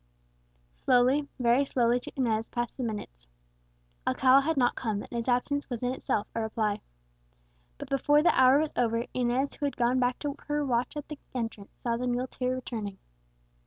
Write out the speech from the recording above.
Slowly, very slowly to Inez passed the minutes. Alcala had not come, and his absence was in itself a reply. But before the hour was over, Inez, who had gone back to her watch at the entrance, saw the muleteer returning.